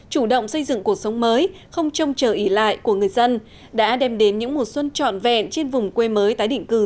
chủ động xây dựng cuộc sống mới không trông chờ ỉ lại của người dân đã đem đến những mùa xuân trọn vẹn trên vùng quê mới tái định cư